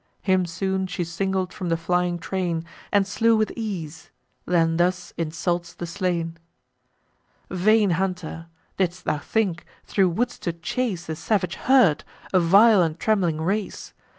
Him soon she singled from the flying train, And slew with ease; then thus insults the slain: "Vain hunter, didst thou think thro' woods to chase The savage herd, a vile and trembling race?